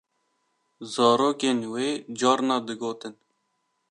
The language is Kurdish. Zarokên wê carna digotin.